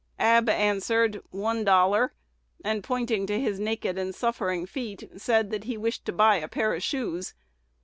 Ab answered, 'One dollar;' and, pointing to his naked and suffering feet, said that he wished to buy a pair of shoes.